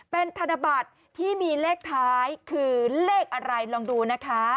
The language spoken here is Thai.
เป็นธนบัตรที่มีเลขท้ายคือเลขอะไรลองดูนะคะ